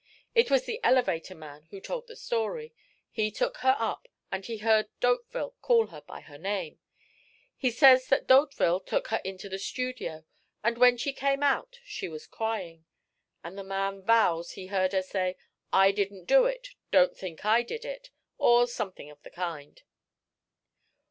It was the elevator man who told the story he took her up and he heard D'Hauteville call her by her name. He says that D'Hauteville took her into the studio, and when she came out she was crying. And the man vows he heard her say 'I didn't do it, don't think I did it,' or something of the kind."